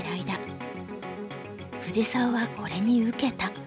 藤沢はこれに受けた。